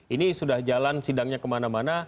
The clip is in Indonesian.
ini sudah jalan sidangnya kemana mana